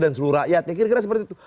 dan seluruh rakyatnya kira kira seperti itu